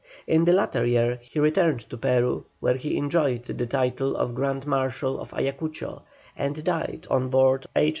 In the latter year he returned to Peru, where he enjoyed the title of Grand Marshal of Ayacucho, and died on board H.